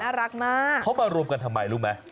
น่ารักมากเขามารวมกันทำไมรู้ไหม